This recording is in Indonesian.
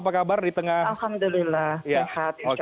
alhamdulillah sehat insya allah